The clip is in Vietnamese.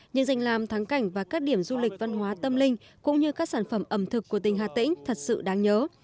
những danh làm thắng cảnh và các điểm du lịch văn hóa tâm linh cũng như các sản phẩm ẩm thực của tỉnh hà tĩnh thật sự đáng nhớ